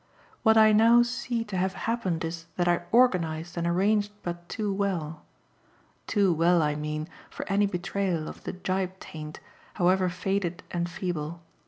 What I now see to have happened is that I organised and arranged but too well too well, I mean, for any betrayal of the Gyp taint, however faded and feeble.